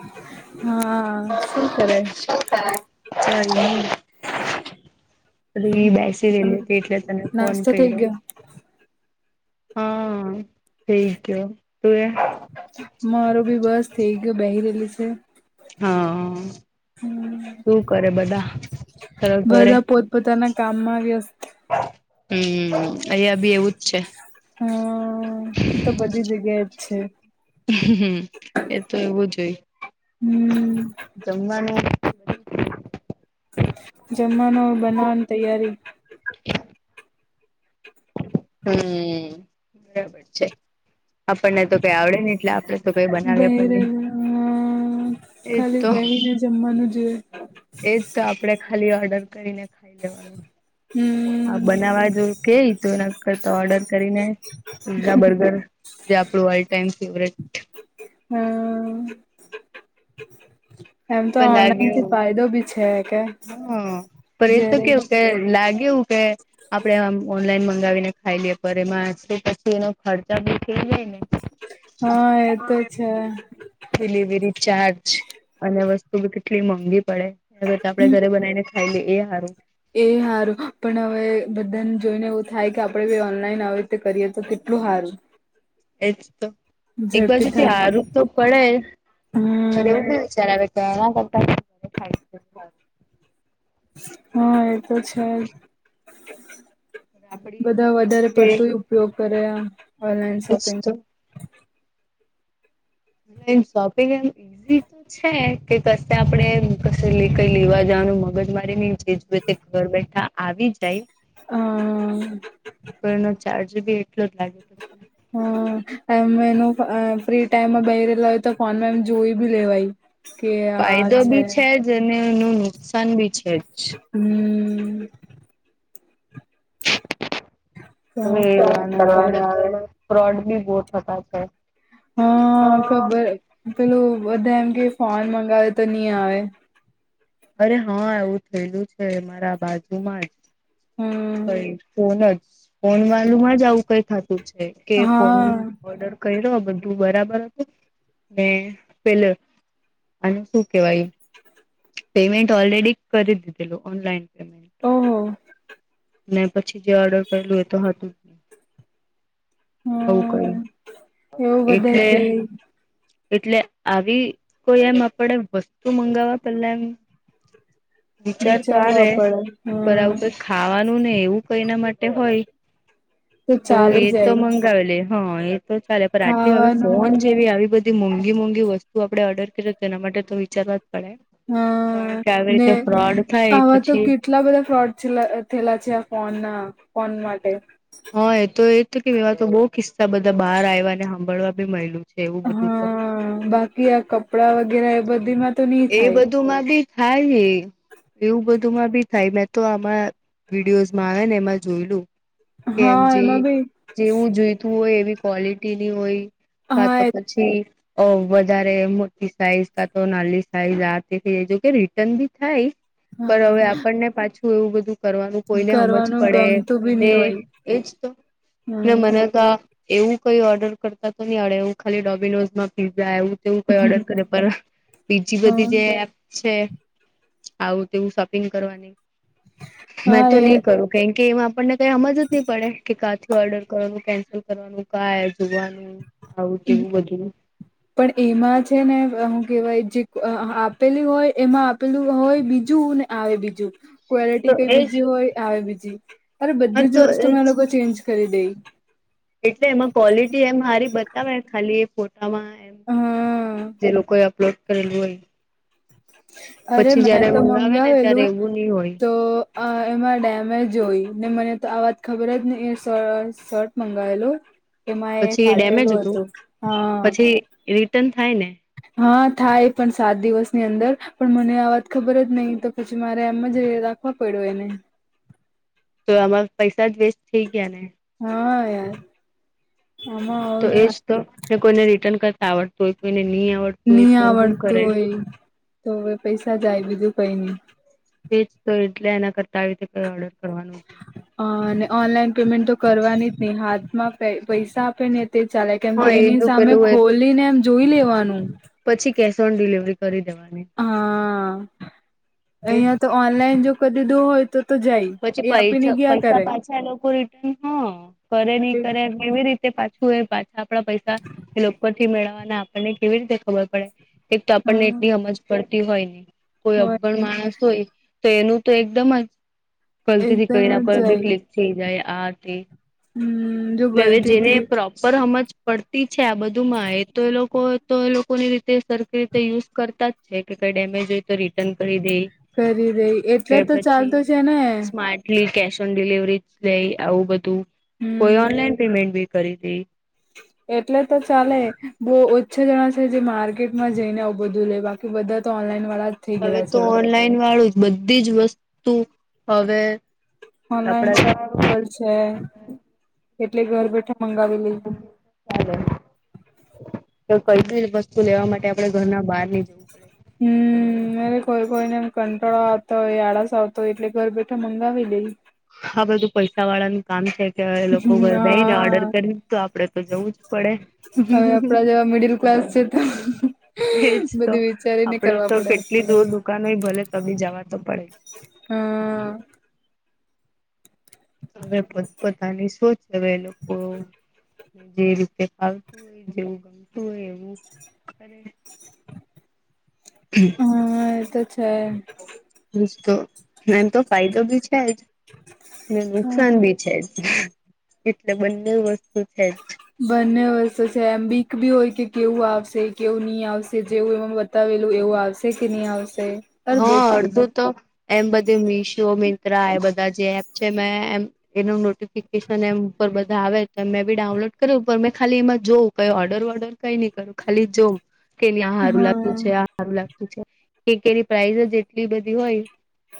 [inaudible] હા શું કરે. વિચાર્યું બેસી રેલી હતી એટલે તને ફોન નાસ્તો થઈ કર્યો. ગયો હા થઈ ગયો તું એ. મારો ભી બસ થઈ ગયો બેહી રહેલી છે. હા શું કરે બધા. તારા ઘરે બધા પોતપોતાના કામમાં વ. હમ અહીિયાં બી એવુંજ છે. હમ એ તો બધી જગ્યા જ છે. હમ એ તો એવુંજ હોય હમ જમવાનું. જમાનો બનાવવાન તૈયારી. હમ બરાબર છે. આપણને તો કઈ આવડે ને એટલે આપણે તો કઈ બનાવે બેહી પણ નહી. રહેલા એ ખાલી તો. બેહીને જમવાનું જે. એજ તો આપણેે ખાલી ઓર્ડર કરીને ખાઈ લેવાનું હા હમ બનાવા જો. ઓકે તો એના કરતા ઓર્ડર કરીને પીઝા બર્ગર જે આપણું ઓલ ટાઈમ ફેવટ. હમ. પણ લાગે હ કે પણ એ તો જયારે કેવું કે લાગેવું કે. આપડે ઓનલાઈન મંગાવીને ખાઈ લઈએ પર એમાં શ પછી એનો ખર્ચા દખ જાય ને. હા એતો છે. ડિલિવરી ચાર્જ અને વસ્તુ કેટલી મોંઘી પડે. ગ આપે ઘરે બનાવીને ખાઈ લઈએ એ સારું. એ સારું પણ હવે બધાને જોઈને એવું થાય કે આપડે ઓનલાઈન આવી રીતે કરીએ તો કેટલું સારું. એજ તો એક ઝડપી બાજુથી થાય હારું તો પડે હમ એવું જ્યારે હ કરતા [unintelligible] હા, એ તો છે. આપડી બધા વધારે જે પડતું ઉપયોગ કરે ઓનલાઈન એજ શોપિંગ. તો ઓનલાઈન શોપિંગ એમ ઇઝી. છે કે કશે આપણેે ક કઈ લેવા જવાનું મગજ મારીને જેજ તે ઘર બેઠા. આવી જાય. હમ. તો એનો ચાર્જ બી એટલો જ લાગે પછી. એ એનું ફ્રી ટાઈમમાં બેય રહેલા હોય તો ફોનમાં એમ જોઈ ભી લેવાય. કે આ છે. જેને નું નુકસાન બી છે. જ હમ. શું કરવાના હવે હ ફ્રોડ બી બહુતા છે. હા ખબર પેલોું બધા એમ કે ફોન મંગાવે તો નહી આવે. અરે હા, એવું થયેલું છે મારા બાજુમાં જ હમ કઈ. ફોન જ ફોન વાળું માંજ આવું કઈ થતું છે કે ફોન હા ઓર્ડર કર્યો બધું બરાબર હતું ને પેલ આને શું કેવાય. પેમેન્ટ ઓલરેડી કરી દીધેલું ઓનલાઈન. પેમેન્ટ ઓહો ને પછી જે ઓર્ડર કરેલું એતો હતું. નહી આવું ક્યુ હમ એવું બધા એટલે. કે એટલે આવી કોઈ એમ આપડે વસ્ તો મંગાવવા પેલ્લા એમ વિચાર તો વિચારવા આવે પડે પર આવું હમ કઈક ખાવાનું ને એવું કઈના માટે હોય. તો ચાલી એ તો જાય મંગાવે લે હા એ તો ચાલે પણ આટલી હવે ખાવાનું ફોન જેવી આવી બધી. મોંઘી મોંઘી વસ્તુ આપડણે ઓર્ડર કરીએ તો તેના માટે તો વિચારવા જ પડે તે હા, ને થાય આવા તો પછી કેટલા બધા ફ્રોડ થેલા થેલા છે આ ફોનના ફોન માટે. હ, એ તો એ કે એવા તો બો કિસ્સા બધા બાર આયવાને હભળવા બી મયલુ. હા, બાકી આ કપડા વગેરે એ બધીમાં તો નહી એ થાય બધુંમાં બી થાય એવું બધુંમાં બી થાય મે તો આમાં વિડીયોઝમાં આવેને એમાં જોયલું કેમ હા જે એમાં બી જેવું જોઈતું હોય એવી ક્વોલિટીની હોય કા હા તો એ પછી ઓ વધારે મોટી સાઈઝ કા તો નાન્લી સાઈઝ આ થઈ જાય જો કે રિટર્ન બી થાય. પર હવે હા આપણને પાછું એવું બધું. કરવાનું કોઈને હમજ કરવાનું પડે ગમતું બી કોઈને નહી હોય એજ તો મને હમ તો એવું કઈ ઓર્ડર કરતા તો ની આવડે એવું ખાલી ડોમિનોઝમાં પીઝા એવું તેવું કઈ ઓર્ડર કરે પર બીજી બધી હ જે એપ છે આવું તેવું શોપિંગ કરવાની. મેં હા તો ની એ કરું કેમ કે એમાં આપણને કઈ હમજ જ નઈ પડે કે કાથી ઓર્ડર કરવાનું કેન્સલ કરવાનું કા જોવાનું આવું તેવું બધું. પણ એમાં છે ને હું કેવાય જે અ આપેલી હોય એમાં આપેલું હોય બીજું ને. આવે બીજું તો ક્વોલિટી કઈ એજ બીજી હોય આવે બીજી અરે હા બધી તો જ એજ વસ્તુમાં એ લોકો ચેન્જ કરી દેઈ. એટલે એમાં ક્વોલિટી એમ હારી બતાવે એમ ખાલી. ફોટામાં એમ હા જે લોકોએ અપલોડ કરેલું હોય. અરે પછી મેં જયારે તો મંગાવે ને ત્યારે મંગાવેલું એવું નહી હોય તો અ એમાં ડેમેજ હોય ને મને તો આ વાત ખબર જ ની એ શ શર્ટ મંગાયેલો. એમાં એ પછી ડેમેજ ફાટેલું હતું હા. પછી એ રિટર્ન થાય ને. હ, થાય પણ સાત દિવસની અંદર પણ મને આ વાત ખબર જ નઈ તો પછી મારે એમજ રેરા કો પડું એને તો આમાં પૈસા જ વેસ્ટ થઇ ગયા ને. હા યાર. આમાં તો થાય એજ તો કોઈને રિટર્ન કરતા આવડતુ હોય કોઈને ની આવડ ની આવરતું હોય તો હવે પૈસા જાય બીજુ કઈની. તેજ તો એટલે એના કરતા આવી રીતે કઈ ઓર્ડર કરવાનું અ અને ઓનલાઈન પેમેન્ટ તો કરવાની જ ની હાથમાં પૈ પૈસા આપે ને તે ચાલે કેમ કે હા એની એનું સામે પેલું એક ખોલીને એમ જોઈ લેવાનું. પછી કેશ ઓન ડિલિવરી કરી દેવાની. હા, એજ અયાં તો ઓનલાઈન જો કદીદુ હોય તો તો જાય પછી એ પૈ આપીને ગયા પૈસા કરે પાછા એલોકો રિટર્ન હ કરે ની કરે. કેવી રીતે પાછું એ પાછા આપણા પૈસા. એ લોક પરથી મેળવવાના આપણને કેવી રીતે ખબર પડે. એક તો હા આપણને એટલી હમજ પડતી હોયની કોઈ અભણ હોય માણસ હોય તો એનું તો એકદમ જ ગલતી થી એકદમ કોયના જ પર બી જાય ક્લિક થઈ જાય આથી હમ જો હવે જેને ગલતીથી પર હમજ પડતી છે આ બધુંમાં એ તો એ લોકો તો એ લોકોની રીતે સરખી રીતે યુઝ કરતા જ છે કે કઈ ડેમેજ હોય તો રિટર્ન કરી દેઇ. કરી દઈ એટલે તો ચાલતું છે ને. માં એટલી કેશ ઓન ડિલવરી જ લઈ આવું બધું કોઈ હમ ઓનલાઈન પેમેન્ટ બી કરી દે. એટલે તો ચાલે. બહુ ઓછા જણા છે, જે માર્કેટમાં જઈને આવું બધું લેવા કે બધા તો ઓનલાઈન વાળા જ થઇ હવે ગયલા તો છે. ઓનલાઈન વાળું જ. બધી જ વસ્તુ હવે આપડા ઓનલાઈન ચાલે છે એટલે ઘર બેઠા મંગાવેલી. [inaudible] કઈ બી વસ્તુ લેવા માટે આપડે ઘરના બહાર ની હમ. અરે કોઈ કોઈને કંટાળો આવતો હોય, આળસ આવતો હોય, એટલે ઘર બેઠા મંગાવી લે. હા, બધું પૈસા વાળાનું કામ છે કે હવે લોકો બેઈને હા ઓર્ડર કરી દે. તો આપડે તો જવું જ પડે. હવે હમ. આપડા જેવા મિડિલ ક્લાસ છે તો એજ તો બધું વિચારીને આપડે કરવા તો પડે કેટલી દૂર દુકાન હોય ભલે, તોભી જવા તો પડે જ. હમ. હવે પોતપોતાની શોચ, હવે એ લોકો ને જે રીતે ફાવતું હોય, જેવું ગમતું હોય, એવું કરે છે. [inaudible] હા એ તો છે. એમ તો ફાયદો બી છે જ ને, નુકસાન હમ ભી છે જ. એટલે બંને વસ્તુ છે જ. બંને વસ્તુ છે. એમ બીક ભી હોય કે, કેવું આવશે? કેવું નહીં આવશે? જેવું એમાં બતાવેલું એવું આવશે કે નહીં આવશે. અરે બો હા, અડધું તો એમ બધું મીશો, મિન્ત્રા એ બધી જે એપ છે ને, એમ એનું નોટિફિકેશન એમ પર બધા આવે, તો મેં બી ડાઉનલોડ કર્યું. પણ મેં ખાલી એમાં જોઉં, કઈ ઓર્ડર-વોર્ડર કંઈ નહીં કરું, ખાલી જોમ. કેની આ સારું લાગતું હા છે, આ સારું લાગતું છે, કે કેની પ્રઇસ જ એટલી બધી હોય.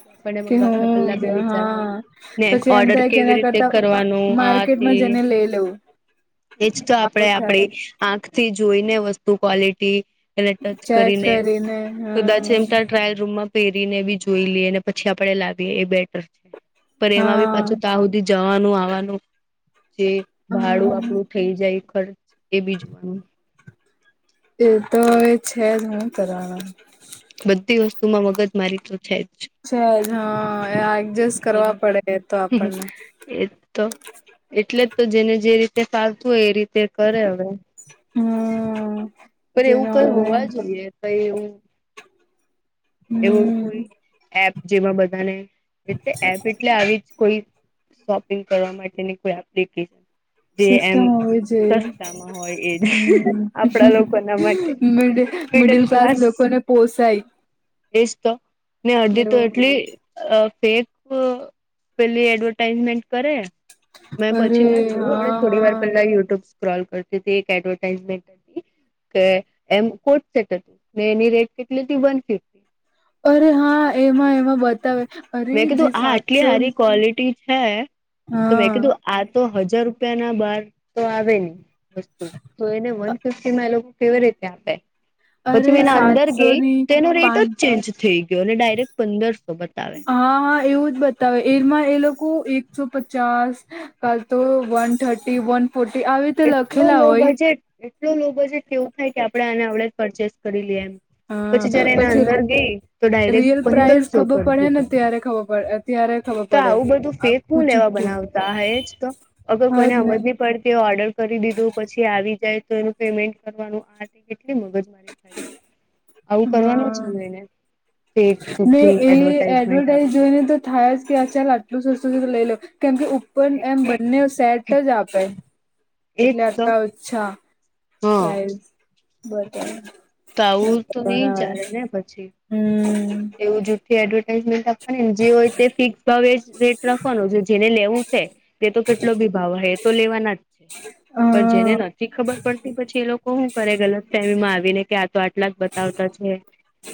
કે આપણને મંગાવતા પેલા હું કે વિચાર હા આવેને પછી એમ ઓર્ડર થાય કે કેવી એના રીતે કરતા કરવાનું, આ તે માર્કેટમાં જઈને લઈ લેવું એજ. તો આવું આપણેે થાય આપડી આંખથી જોઈને, વસ્તુ ક્વલિટી એને ટચ ચેક કરીને, હા કદાચ એમ. ત્યાં ટ્રાયલ રૂમમાં પહેરીને બી જોઈ લઈએ ને, પછી આપડે લાવીએ, એ બેટર છે. પણ એમાં બી હા પાછો ત્યા સુધી જવાનું-આવવાનું, જે ભાડું હમ આપણું થઈ જાય ખર્ચ, એ બી જોવાનું. એ તો હોય છે જ, શું કરવાના? બધી વસ્તુમાં મગજ મારી તો છે જ. છે જ. હા, એ એડજસ્ટ કરવા એનું પડે તો આપણને. એ તો એટલે જ, તો જેને જે રીતે ફાવતું હોય, એ રીતે કરે હવે. હમ પણ એવું જેને કઈ હોવા ઓનલાઈન જોઈએ? કંઈ હું એવો હમ કોઈ એપ, જેમાં બધાને એટલે એપ એટલે આવી જ કોઈ શોપિંગ કરવા માટેની કોઈ એપ્લિકેશન. જે એમ સિસ્ટમ હોય છે, સસ્તામાં હોય એજ આપણા લોકો ના માટે હમ. મિડલ ક્લાસ લોકોને પોસાય. એ જ તો ને, અડધી તો એવું એટલી અ ફેક પેલી એડવર્ટાઈઝમેન્ટ કરે. મેં અરે પછીના જોયો. હા અને થોડી વાર હા પહેલા યુટ્યુબ સ્ક્રોલ કરતી હતી, એક એડવર્ટાઈઝમેન્ટ હતી. કે એમ કોટ સેટ હતું. એની રેટ કેટલી હતી? One fifty. અરે હા, એમાં એમાં બતાવે. અરે મેં કીધું, જે આ આટલી સાતસો સારી ક્વોલિટી! હે, તો હા મેં કીધું, આ તો હજાર રૂપિયા ના બાર તો આવે ને! વસ્તુ તો, એને વન ફીફટીમાં એ લોકો કેવી રીતે આપે? અરે પછી મે એના અંદર સાતસો ગઈ, ની તો એનો રેટ પાન જ ચેન્જ થઈ ગયો અને ડાયરેક્ટ પંદરસો પર હા, હા, એવું જ બધું. તો એમાં એ લોકો એકસો પચાસ, કાલ તો વન થર્ટી વન. ફોટી આવી રીતે એટલો લખેલા લો હોય. બજેટ એટલો લોકો જે કેવું થાય કે, આપડે આને આવડે જ પરચેસ કરી લઈએ, એમ. પછી જયારે એના અંદર ગઈ તો ડાયરેક રિયલ પ્રાઇસ પંદરસો ખબર કરી પડે ને દીધું ત્યારે ખબર પડે ત્યારે ખબર તો પડે આવું બધું ફેક આખું હું લેવા જુઠ્ઠું બનાવતા હા એજ તો અગર હા કોઈને જ ને હમજ ની પડ ઓર્ડર કરી દીધું પછી આવી જાય તો એનું પેમેન્ટ કરવાનું આ હતી કેટલી મગજ મારી થાય આવું કરવાનું જ હા ની હોય ને ને એ એડવર્ટાઈઝ આપીને જોઈને તો થાય જ કે આ ચાલ આટલું સસ્તું સુું લઇ લો કેમ કે ઉપર એમ બંને સેટ જ આપે એજ એટલે તો આટલા ઓછા હા પ્રાઇઝ તો આવું તો નઈ ચાલે ને પછી હમ એવું જૂઠી એડવર્ટાઈઝમેન્ટ આપવાની જે હોય તે ફિક્સ ભાવે રેટ રાખવાનું છે, જેને લેવું છે તે તો કેટલો બી ભાવ હોય એ તો લેવાના જ પણ જેને હા નથી ખબર પડતી પછી એ લોકો શું કરે ગલત ફેમીમાં આવીને કે આ તો આટલા બ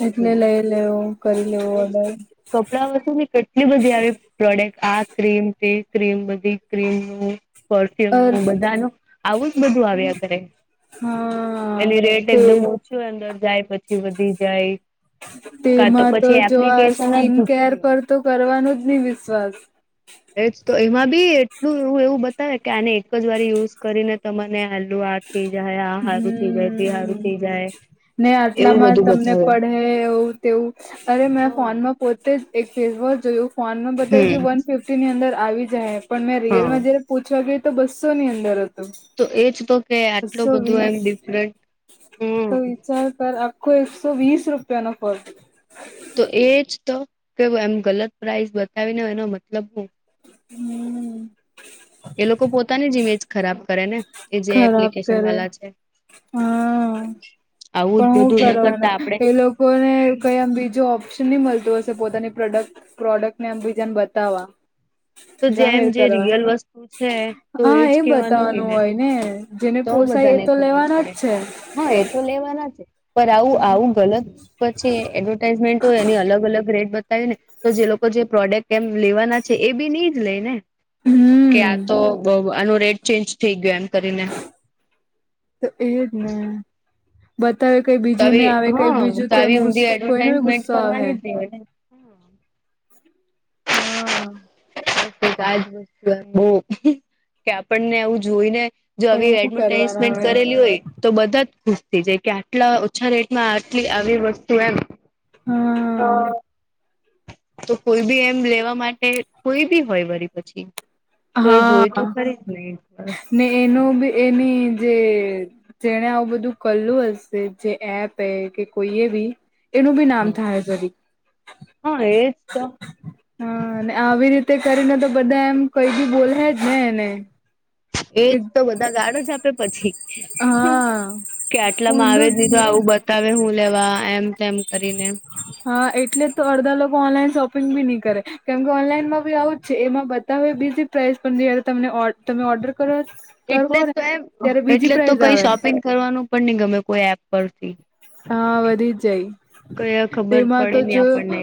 એટલે લઈ લેવું કરી લેવું ઓર્ડર કપડાં વસ્તુ ને કેટલી બધી આવી પ્રોડક્ટ આ ક્રીમ તે ક્રીમ બધી ક્રીમ નું પરફ્યુમ અર નું બધાનું આવું જ બધું આવ્યા કરે. હા એની રેટ તે એકદમ ઓછું હોય અંદર જાય પછી વધી જાય કા તેમાં તો પછી જો આ એપ્લિકેશન જ સ્કીિન કેર જુઠ્ઠી હોય. પર તો કરવાનું જ નહી વિશ્વાસ એ તો એમાં બી એટલું એવું એવું બતાવે કે આને એક જ વાર યુઝ કરીને તને હાલુ આ થઈ જાય હે આ હારું થઈ જાય તે હારું હમ થઈ જાય. ને એવું આટલામાં બધું તમને બતાવે. પડે એવું તેવું અરે મે ફોનમાં પોતે જ એક ફેસ વોશ જોયું ફોનમાં બતાવે કે હમ વન ફિફ્ટી ની અંદર આવી જાય પણ મેં હા રિયલમાં જયારે પૂછવા ગયો તો બસ્સો ની અંદર હતો. તો એજ તો કે આટલું બધો એમ ડિફરન્ટ હમ શહકાર પર આપ કો એકસો વીસ રૂપિયાનો પડતો તો એજ તો કે એમ ગલત પ્રાઇસ બતાવીને એનો મતલબ હું હમ [inaudible] એ લોકો પોતાની જ ઇમેજ ખરાબ કરે ને એ જે ખરાબ એપ્લિકેશન કરે વાલા છે. હા આવું જ પણ હું બધું ન કરતા કરવાના આપડે એ લોકોને કઈ આમ બીજું ઓપ્શ નહી મળતું હશે પોતાની પ્રોડક્ટ ને આમ બીજાને બતાવવા તો જેમ જાહેર જે કરવા રિયલ વસ્તુ છે તો હા એજ એ કેવાનું બતાવવાનું હોય ને જેને તો પોસાય બધાને એ તો ખબર લેવાના પડે જ છે. હા એ તો લેવાના છે પણ આવું આવું ગલત પછી એડવર્ટાઈઝમેન્ટ તો એની અલગ અલગ રેટ બતાવ્યું ને તો જે લોકો જે પ્રોડક્ટ એમ લેવાના છે એ બી નહી જ લઈ ને કે આ હમ તો આનું રેટ ચેન્જ થઇ ગયો એમ કરીને તો એ જ ને બતાવે કઈ તો બીજુંને આવી આવે કઈ હા બીજું તો એમ આવી ગુસ ઊંધી કોઈને બી એડવર્ટાઈઝમેન્ટ ગુસ્સો આવે કરવાની જ નહી [inaudible] હ [inaudible] આજ વસ્તુ એમ બહ કે આપણને આવું જોઈને જો પણ આવી હું કરવાના એડવર્ટાઈઝમેન્ટ હવે કરેલી હોય. તો બધાં જ ખુશ થઇ જાય કે આટલા ઓછાં રેટમાં આટલી આવી વસ્તુ એમ હા તો કોઈ બી એમ લેવા માટે કોઈ બી હોય વરી પછી. તો એ હા જોય તો હા ખરી જ ને એક વાર ને એનો બી એની જે જેને આવું બધું કરેલું હશે જે એપ એ કે કોઈ એ બી એનુંભી નામ થાયા વરી. હા એજ તો હા આવી રીતે કરીને તો બધા એમ કઈ બી બોલસે જ ને એને એજ કે તો બધાં ગાળો જ આપે પછી. હા કે આટલામાં આવે ઊંધું દીધો આવું બ બતાવે હું લેવા એમ તેમ કરીને. હા એટલે તો અડધાં લોકો ઓનલાઈન શોપિંગ બી નહીં કરે કેમ કે ઓનલાઈનમાં બી આવું જ છે. એમાં બ હવે બીજી પ્રાઇસ પણ જયારે તમને તમે ઓર્ડર કરો. એટલે કરવો ને તો એમ ત્યારે બીજી એટલે તો પ્રાઇઝ કઈ આવે શોપિંગ કરવાનું પણ નહીં ગમે કોઈ એપ પરથી હા વધી જાય કઇ ખબર તેમાં તો નહીં પડે જો આપણને.